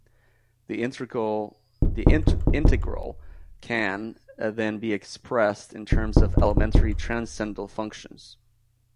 The integral can then be expressed in terms of elementary transcendental functions.